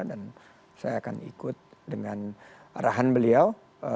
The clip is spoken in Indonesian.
dan saya akan ikut dengan arahan beliau